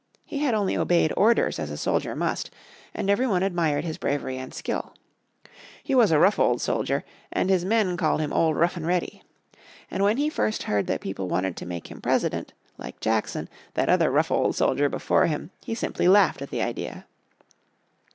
He had only obeyed orders as a soldier must and every one admired his bravery and skill. He was a rough old soldier, and his men called him Old Rough and Ready. And when he first heard that people wanted to make him President, like Jackson, that other rough old soldier before him, he simply laughed at the idea.